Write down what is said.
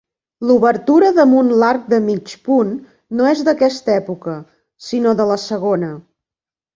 L'obertura damunt l'arc de mig punt no és d'aquesta època, sinó de la segona.